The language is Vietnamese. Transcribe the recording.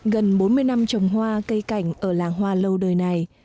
gần bốn mươi năm trồng hoa cây cảnh ở làng hoa lâu đời này